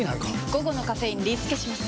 午後のカフェインリスケします！